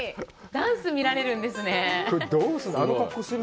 ダンス見られるんですね。